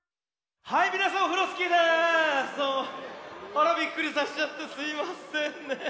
あらびっくりさせちゃってすいませんね。